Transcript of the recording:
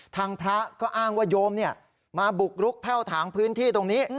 ทางพระก็อ้างว่าโยมมาบุกรุกแพ่วถางพื้นที่ตรงนี้